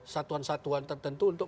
satuan satuan tertentu untuk